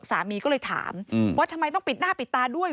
สามีก็เลยถามว่าทำไมต้องปิดหน้าปิดตาด้วย